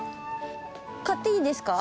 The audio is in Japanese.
買っていいですか？